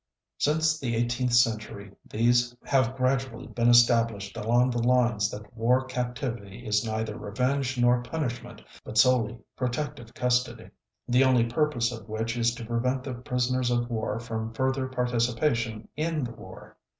Since the 18th century these have gradually been established along the lines that war captivity is neither revenge nor punishment, but solely protective custody, the only purpose of which is to prevent the prisoners of war from further participation in the war.